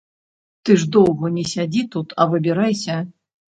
Ты ж доўга не сядзі тут, а выбірайся.